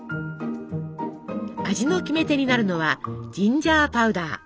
味のキメテになるのはジンジャーパウダー。